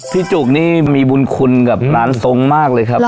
จุกนี่มีบุญคุณกับร้านทรงมากเลยครับ